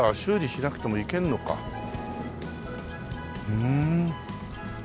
ふん。